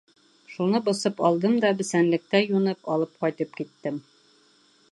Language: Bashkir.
Шуны бысып алдым да, бесәнлектә юнып, алып ҡайтып киттем.